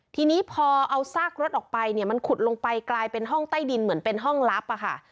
ทีนี้พอเอาซากรถออกไปเนี่ยมันขุดลงไปกลายเป็นห้องใต้ดินเหมือนเป็นห้องลับอะค่ะ